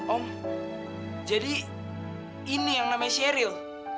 om jadi ini yang namanya sheryl